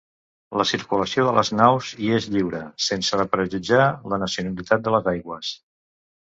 La circulació de les naus hi és lliure, sense prejutjar la nacionalitat de les aigües.